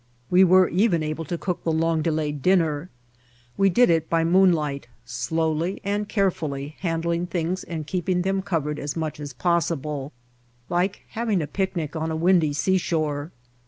We were even able to cook the long delayed dinner. We did it by moonlight, slowly and carefully handling things and keeping them covered as much as possible, like having a picnic on a windy seashore.